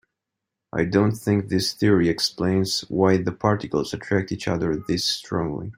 I don't think this theory explains why the particles attract each other this strongly.